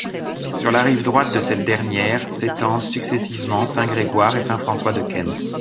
Sur la rive droite de cette dernière s'étendent successivement Saint-Grégoire et Saint-François-de-Kent.